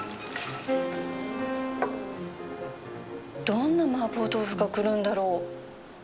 どんなマーボー豆腐が来るんだろう？